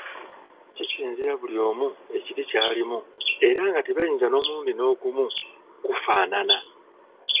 Kisinziira buli omu ekiti kyalimu era nga tebayinza nomulundi nogumu kufaanana.